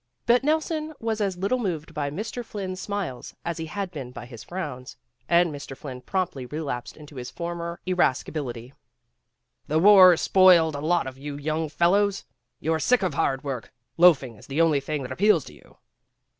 But Nelson was as little moved by Mr. Flynn 's smiles as he had been by his frowns, and Mr. Flynn promptly relapsed into his former irasci bility. "The war spoiled a lot of you young fellows. You're sick of hard work. Loafing is the only thing that appeals to you."